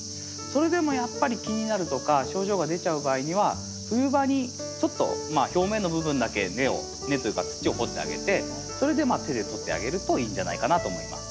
それでもやっぱり気になるとか症状が出ちゃう場合には冬場にちょっと表面の部分だけ根を根というか土を掘ってあげてそれで手で取ってあげるといいんじゃないかなと思います。